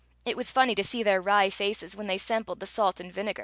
It was funny to see their wry faces when they sampled the salt and vinegar.